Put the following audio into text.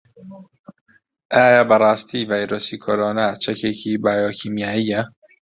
ئایا بەڕاستی ڤایرۆسی کۆرۆنا چەکێکی بایۆکیمیایییە؟